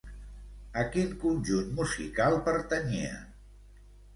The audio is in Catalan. A quin conjunt musical pertanyia?